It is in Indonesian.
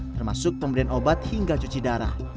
termasuk pemberian obat hingga cuci darah